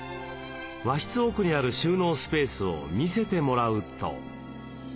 和室奥にある収納スペースを見せてもらうと。